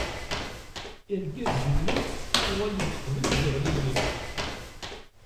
Irgazen-nni uɣalen-d qbel ad d-yeɣli yiḍ.